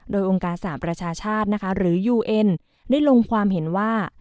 โดยองค์การสหประชาชาตินะคะหรือยูเอ็นได้ลงความเห็นว่า